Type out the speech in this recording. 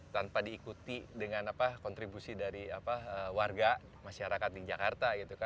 tanpa diikuti dengan kontribusi dari warga masyarakat di jakarta